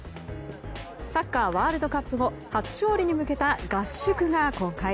サッカーワールドカップ後初勝利に向けた合宿が公開。